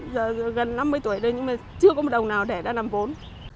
giờ gần năm mươi tuổi đây nhưng mà chưa có một đồng nào để đã làm vốn